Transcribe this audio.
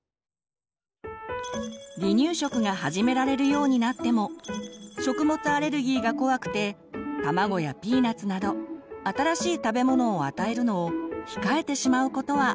離乳食が始められるようになっても食物アレルギーが怖くて卵やピーナツなど新しい食べ物を与えるのを控えてしまうことはありませんか？